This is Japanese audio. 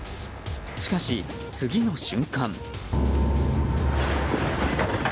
しかし、次の瞬間。